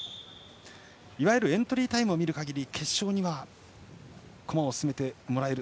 いわゆるエントリータイムを見る限り、決勝には駒を進めてもらえる。